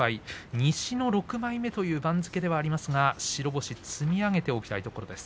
西の６枚目という番付ではありますが白星を積み上げておきたいところです。